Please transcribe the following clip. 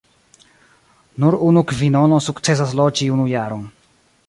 Nur unu kvinono sukcesas loĝi unu jaron.